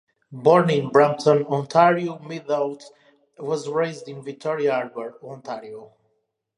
Born in Brampton, Ontario, Middaugh was raised in Victoria Harbour, Ontario.